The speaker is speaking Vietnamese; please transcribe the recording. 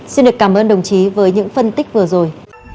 xin được cảm ơn đồng chí với những phân tích vừa rồi